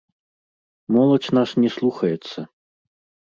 Моладзь нас не слухаецца.